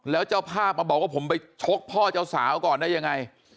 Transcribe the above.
แล้วเจ้าภาพมาบอกว่าผมไปชกพ่อเจ้าสาวก่อนได้ยังไง